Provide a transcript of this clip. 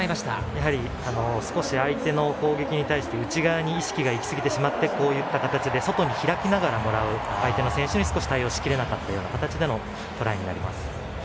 やはり少し相手の攻撃に対して内側に意識が行き過ぎてこういった形で外に開きながらもらう相手の選手に少し対応しきれなかった形でのトライになりました。